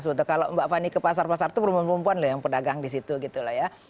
sudah kalau mbak fani ke pasar pasar itu perempuan perempuan loh yang pedagang di situ gitu loh ya